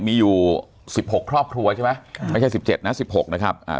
มีอยู่สิบหกครอบครัวใช่ไหมค่ะไม่ใช่สิบเจ็ดนะสิบหกนะครับอ่า